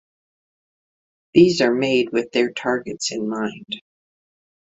These are made with their targets in mind.